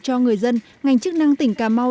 cho người dân ngành chức năng tỉnh cà mau